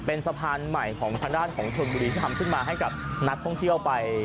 เป็นสะพานใหม่ของทางด้านของชนบุรีที่ทำขึ้นมาให้กับนักท่องเที่ยวไป